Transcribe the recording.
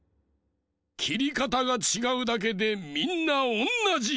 きりかたがちがうだけでみんなおんなじじゃ！